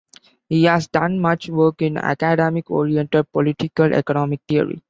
He has done much work in academic oriented political economic theory.